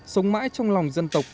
sống mãi trong lòng dân tộc